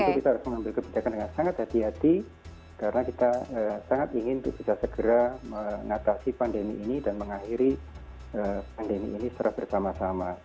tentu kita harus mengambil kebijakan dengan sangat hati hati karena kita sangat ingin untuk bisa segera mengatasi pandemi ini dan mengakhiri pandemi ini secara bersama sama